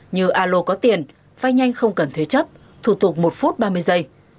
như alo có tiền vai nhanh không cần thuế chấp thủ tục một phút ba mươi giây